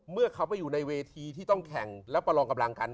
เมื่อเขาไปอยู่ในเวทีที่ต้องแข่งแล้วประลองกำลังกัน